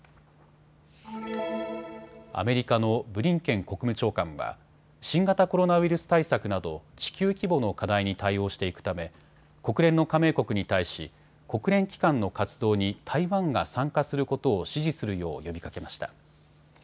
アメリカのブリンケン国務長官は新型コロナウイルス対策など地球規模の課題に対応していくため国連の加盟国に対し国連機関の活動に台湾が参加することを支持するよう呼びかけました。